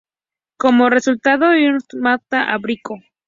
Como resultado, Jigsaw mata a Micro.